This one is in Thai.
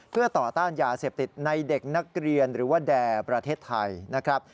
เพื่อต่อต้านยาเสพติดในเด็กนักเรียนหรือว่าแด่ประเทศไทยนะครับ